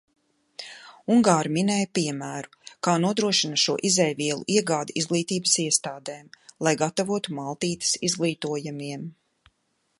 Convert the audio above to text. Ungāri minēja piemēru, kā nodrošina šo izejvielu iegādi izglītības iestādēm, lai gatavotu maltītes izglītojamiem.